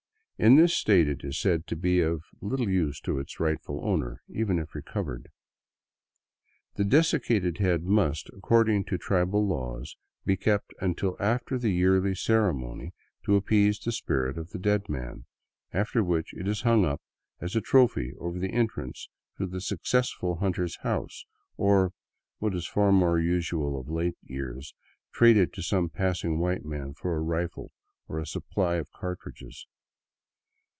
In this state it is said to be of little use to its rightful owner, even if recovered. The desiccated head must, according to tribal laws, be kept until after the yearly ceremony to ap pease the spirit of the dead man, after which it is hung up as a trophy over the entrance to the successful hunter's house, or, what is far more usual of late years, traded to some passing white man for a rifle or a supply of cartridges.